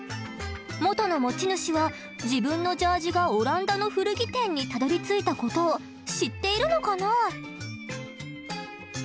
元の持ち主は自分のジャージがオランダの古着店にたどりついたことを知っているのかな？